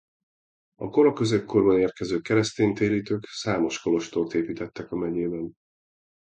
A kora középkorban érkező keresztény térítők számos kolostort építettek a megyében.